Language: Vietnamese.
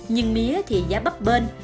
nhưng mía thì giá bắp bên